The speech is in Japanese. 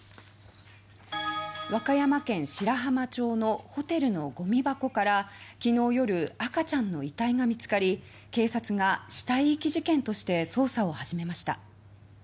和歌山県白浜町のホテルのごみ箱から昨日、夜赤ちゃんの遺体が見つかり警察が死体遺棄事件として捜査を始めました。